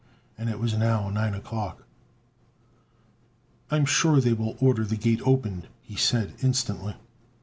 And it was now nine o'clock. "I am sure they will order the Gate opened," he said instantly.